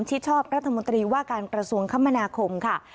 ที่ชอบรัฐมนตรีว่าการกระทรวงคมนาคมค่ะ